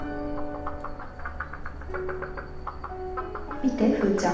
見てふうちゃん。